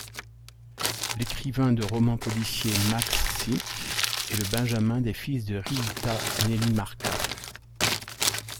L’écrivain de roman policier Max Seeck est le benjamin des fils de Riitta Nelimarkka.